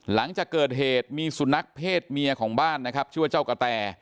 หลังจากเกิดเหตุมีสุนัขเพศเมียของบ้านนะครับชื่อว่าเจ้ากะแต